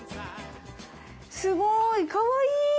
すごいかわいい！